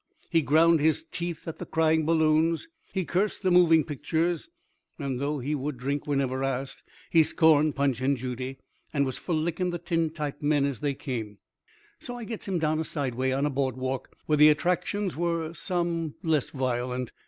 He ground his teeth at the crying balloons; he cursed the moving pictures; and, though he would drink whenever asked, he scorned Punch and Judy, and was for licking the tintype men as they came. So I gets him down a side way on a board walk where the attractions were some less violent.